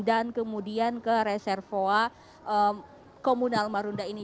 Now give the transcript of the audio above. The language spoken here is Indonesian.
dan kemudian ke reservoir komunal marunda ini